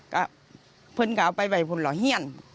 ก็เพื่อนก็เอาไปไว้ผมหล่อเฮียน